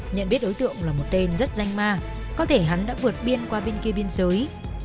nhận biết đối tượng là một tên rất danh ma có thể hắn đã vượt biên qua bên kia biên giới